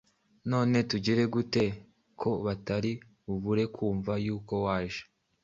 None tugire dute, ko batari bubure kumva yuko waje?